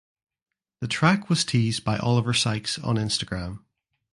The track was teased by Oliver Sykes on Instagram.